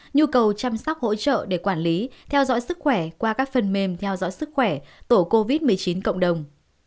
nhu cầu chăm sóc hỗ trợ để quản lý theo dõi sức khỏe qua các phần mềm theo dõi sức khỏe tổ covid một mươi chín cộng đồng